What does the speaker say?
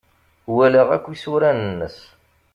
Walaɣ akk isura-nnes.